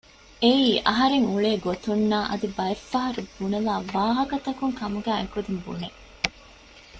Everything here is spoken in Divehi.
އެއީ އަހަރެން އުޅޭ ގޮތުންނާ އަދި ބައެއް ފަހަރު ބުނެލާ ވާހަކަތަކުން ކަމުގައި އެ ކުދިން ބުނެ